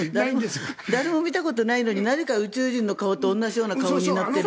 誰も見たことないのになぜか宇宙人と同じような顔になってる。